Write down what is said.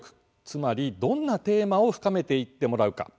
つまり「どんなテーマを深めていってもらうか？」